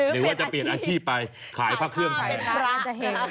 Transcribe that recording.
หรือว่าจะเปลี่ยนอาชีพไปขายพรรคเครื่องขายถ้าได้ครับมีประแฮน